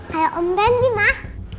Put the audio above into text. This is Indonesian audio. kayak om randy mas